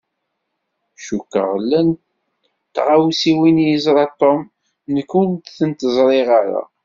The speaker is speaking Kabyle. Cukkeɣ llan tɣawsiwin i yeẓṛa Tom nekk ur tent-ẓṛiɣ ara.